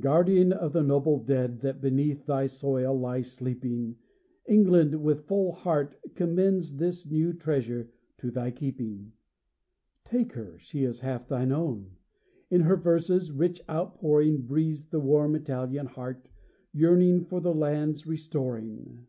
Guardian of the noble dead That beneath thy soil lie sleeping, England, with full heart, commends This new treasure to thy keeping. Take her, she is half thine own; In her verses' rich outpouring, Breathes the warm Italian heart, Yearning for the land's restoring.